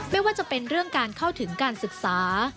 ไม่ว่าจะเป็นเรื่องการเข้าถึงการศึกษา